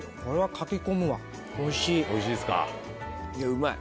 うまい。